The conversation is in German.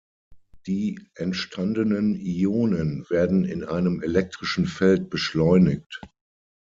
Die entstandenen Ionen werden in einem elektrischen Feld beschleunigt.